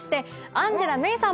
「アンジェラさん」